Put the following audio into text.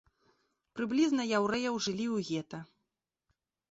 Прыблізна яўрэяў жылі ў гета.